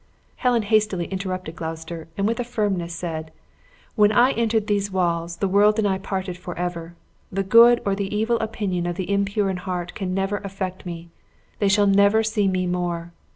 Helen hastily interrupted Gloucester, and with firmness said, "When I entered these walls, the world and I parted forever. The good or the evil opinion of the impure in heart can never affect me they shall never see me more.